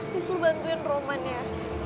dislo bantuin roman ya